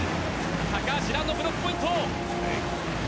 高橋藍のブロックポイント！